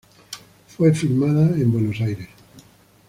Fue filmada en Buenos Aires.